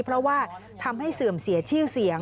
เพราะว่าทำให้เสื่อมเสียชื่อเสียง